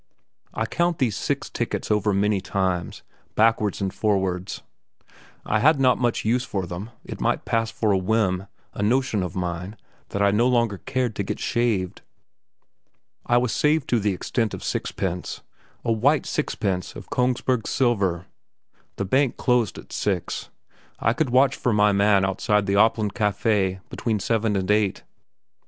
I count these six tickets over many times, backwards and forwards; I had not much use for them; it might pass for a whim a notion of mine that I no longer cared to get shaved. I was saved to the extent of sixpence a white sixpence of Kongsberg silver. The bank closed at six; I could watch for my man outside the Opland Café between seven and eight.